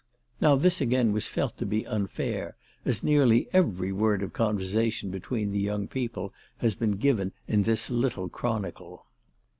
Now this again was felt to be unfair, as nearly every word of conversation between the young people has been given in this little chronicle.